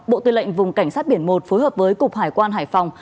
bộ tư lệnh vùng cảnh sát biển một phối hợp với cục hải quan hải phòng